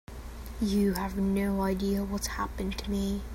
You have no idea what's happened to me.